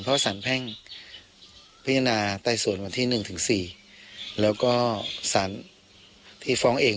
เพราะสารแพ่งพิจารณาไต่สวนวันที่๑ถึง๔แล้วก็สารที่ฟ้องเอง